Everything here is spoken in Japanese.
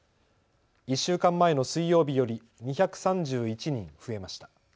１週間前の水曜日より２３１人増えました。